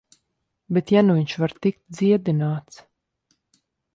Bet ja nu viņš var tikt dziedināts...